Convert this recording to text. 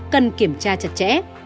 cần kiểm tra chặt chẽ